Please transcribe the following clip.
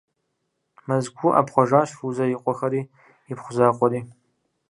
Мэзкуу ӏэпхъуэжащ Фузэ и къуэхэри, ипхъу закъуэри.